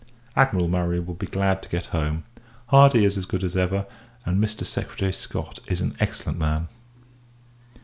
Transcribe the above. Admiral Murray will be glad to get home; Hardy is as good as ever; and Mr. Secretary Scott is an excellent man.